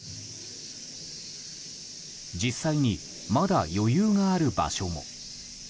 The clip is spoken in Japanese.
実際に、まだ余裕がある場所も。